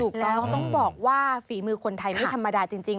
ถูกต้องต้องบอกว่าฝีมือคนไทยไม่ธรรมดาจริง